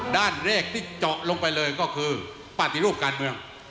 ด้านเลขที่เจาะลงไปเลยก็คือปฏิรูปการเมือง